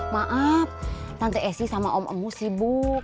maaf tante esy sama om emu sibuk